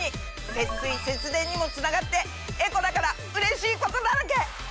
節水節電にもつながってエコだからうれしいことだらけ！